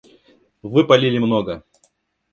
Вы палили много!